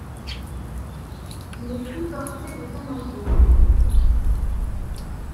Ne plus porter de talons hauts.